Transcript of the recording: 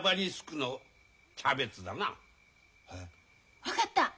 分かった！